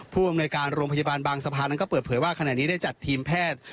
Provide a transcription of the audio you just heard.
ผู้อำนวยการโรงพยาบาลบางสะพานนั้นก็เปิดเผยว่าขณะนี้ได้จัดทีมแพทย์